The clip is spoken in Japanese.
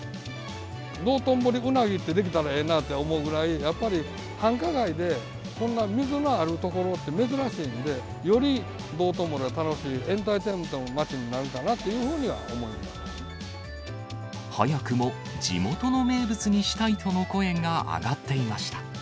道頓堀ウナギってできたらええなって思うぐらい、やっぱり繁華街でこんな水のある所って珍しいんで、より道頓堀は楽しい、エンターテインメントの街になるかなというふうには思い早くも地元の名物にしたいとの声が上がっていました。